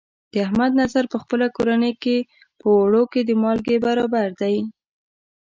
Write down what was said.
د احمد نظر په خپله کورنۍ کې، په اوړو کې د مالګې برابر دی.